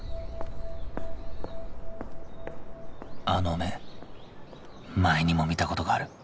あの目前にも見た事がある